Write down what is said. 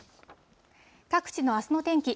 各地のあすの天気。